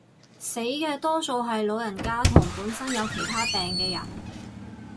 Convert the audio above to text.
死嘅多數係老人家同本身有其他病嘅人